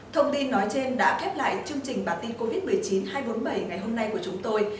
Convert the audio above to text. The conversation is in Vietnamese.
thông tin nói trên đã khép lại chương trình bản tin covid một mươi chín hai trăm bốn mươi bảy ngày hôm nay của chúng tôi